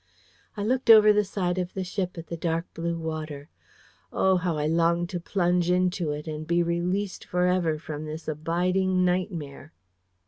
I looked over the side of the ship at the dark blue water. Oh, how I longed to plunge into it and be released for ever from this abiding nightmare!